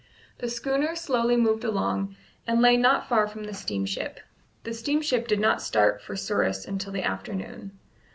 The schooner slowly moved along, and lay not far from the steamship. The steamship did not start for Souris until the afternoon.